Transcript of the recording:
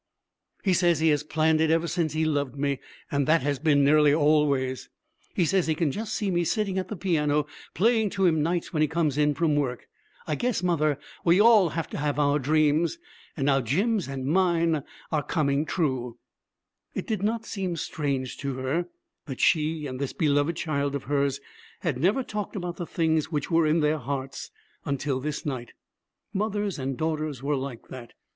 'He says he has planned it ever since he loved me, and that has been nearly always. He says he can just see me sitting at the piano playing to him nights when he comes in from work. I guess, mother, we all have to have our dreams. And now Jim's and mine are coming true.' 'Have you always dreamed things, too?' asked her mother. It did not seem strange to her that she and this beloved child of hers had never talked about the things which were in their hearts until this night. Mothers and daughters were like that.